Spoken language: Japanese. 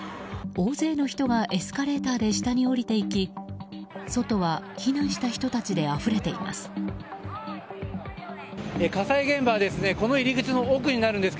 大勢の人がエスカレーターで下に降りていき外は避難した人たちであふれています。